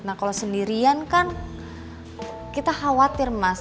nah kalau sendirian kan kita khawatir mas